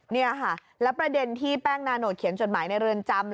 นี่ค่ะแล้วประเด็นที่แป้งนาโนตเขียนจดหมายในเรือนจำ